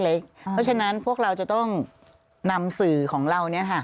เพราะฉะนั้นพวกเราจะต้องนำสื่อของเรา